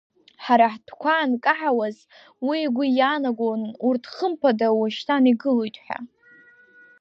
Ҳара ҳтәқәа анкаҳауаз, уи игәы иаанагон урҭ хымԥада уашьҭан игылоит ҳәа.